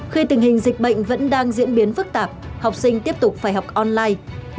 khi tình hình dịch bệnh vẫn đang diễn biến phức tạp học sinh tiếp tục phải học online